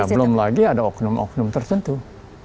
belum lagi ada oknum oknum tertentu